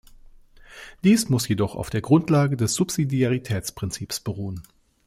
Dies muss jedoch auf der Grundlage des Subsidiaritätsprinzips beruhen.